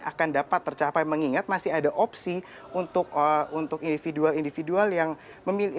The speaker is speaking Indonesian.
akan dapat tercapai mengingat masih ada opsi untuk individual individual yang menyimpan harta di luar negara